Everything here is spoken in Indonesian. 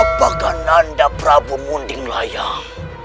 apakah nanda prabu munding layang